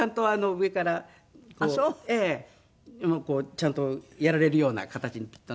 ちゃんとやられるような形にきっとなるので。